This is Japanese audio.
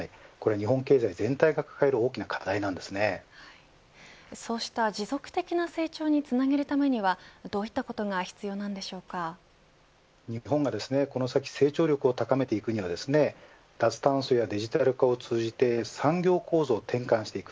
日本経済全体が抱えるそうした、持続的な成長につなげるためにはどういったことが日本がこの先成長力を高めていくには脱炭素やデジタル化を通じて産業構造を転換していく。